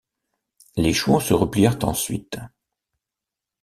Les chouans se replièrent ensuite.